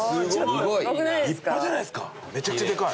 立派じゃないですか。